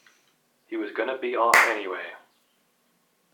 He was gonna be off anyway!